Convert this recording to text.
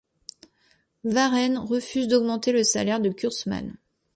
Warren refuse d'augmenter le salaire de Kurtzman.